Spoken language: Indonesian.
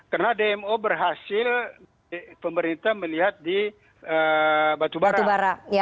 karena dmo berhasil pemerintah melihat di batubara